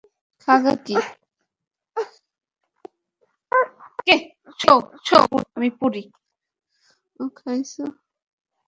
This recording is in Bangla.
ওহ, খাইছে!